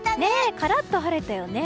カラッと晴れたよね。